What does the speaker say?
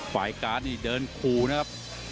ปากการณ์เดินคู่นะครับ